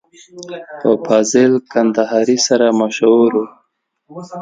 په فاضل کندهاري سره مشهور و.